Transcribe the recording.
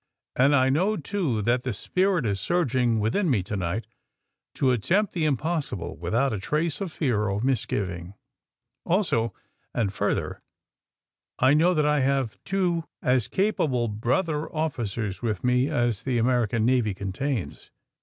And I know, too, that the spirit is surging within me to night to attempt the impossible without a trace of fear or misgiving. Also, and further, I know that 114 THE SUBMAKINE BOYS I have two as capable brother officers with me as the American Navy contains.